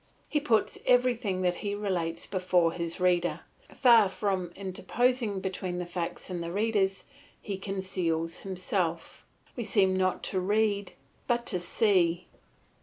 He puts everything that he relates before his reader; far from interposing between the facts and the readers, he conceals himself; we seem not to read but to see.